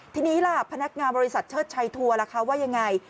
ทีนี้ล่ะพนักงานบริษัทเชิดชัยทัวร์ล่ะคะว่ายังไง